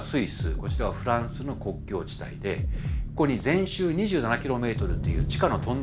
こちらはフランスの国境地帯でここに全周２７ｋｍという地下のトンネルが掘ってあります。